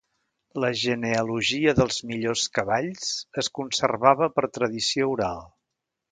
La genealogia dels millors cavalls es conservava per tradició oral.